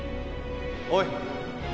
おい！